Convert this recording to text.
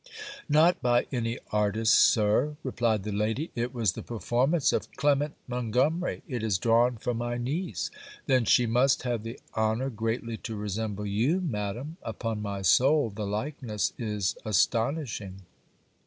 'Not by any artist, Sir,' replied the lady. 'It was the performance of Clement Montgomery. It is drawn for my niece .' 'Then she must have the honour greatly to resemble you, Madam. Upon my soul the likeness is astonishing.'